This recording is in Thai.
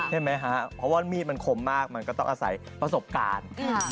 ใช่ไหมฮะเพราะว่ามีดมันคมมากมันก็ต้องอาศัยประสบการณ์